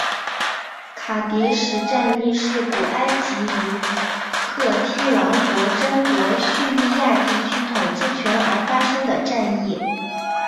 卡迭石战役是古埃及与赫梯王国争夺叙利亚地区统治权而发生的战役。